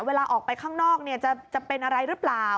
เวลาออกไปข้างนอกจะเป็นอะไรหรือเปล่า